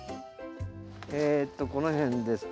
えとこの辺です。